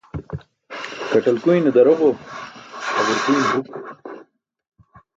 Kaṭlakuyne daroġo, haġurkuyne huk.